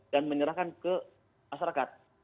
dan menyerahkan ke masyarakat